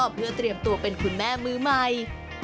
เพื่อเตรียมตัวเป็นคุณแม่มือใหม่